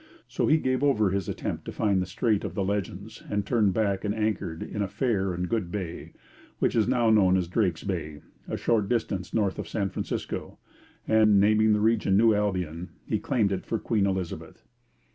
So he gave over his attempt to find the strait of the legends, and turned back and anchored in 'a faire and good bay,' which is now known as Drake's Bay, a short distance north of San Francisco; and, naming the region New Albion, he claimed it for Queen Elizabeth.